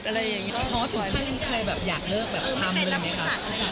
พอถึงท่านใครอยากเริ่มทำเลยไหมคะ